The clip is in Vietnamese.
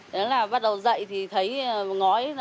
đó là bắt đầu dậy thì thấy ngói